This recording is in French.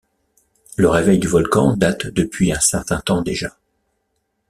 Le réveil du volcan date depuis un certain temps déjà.